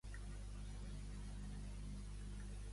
A què es dedicava José?